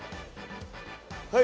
はい。